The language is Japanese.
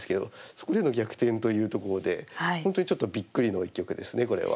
そこでの逆転というところで本当にちょっとびっくりの一局ですねこれは。